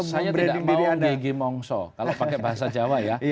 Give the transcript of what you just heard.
saya tidak mau megi mongso kalau pakai bahasa jawa ya